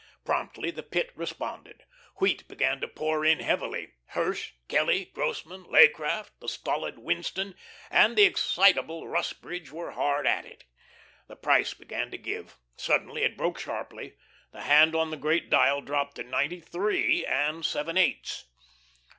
Promptly the Pit responded. Wheat began to pour in heavily. Hirsch, Kelly, Grossmann, Leaycraft, the stolid Winston, and the excitable Rusbridge were hard at it. The price began to give. Suddenly it broke sharply. The hand on the great dial dropped to ninety three and seven eighths.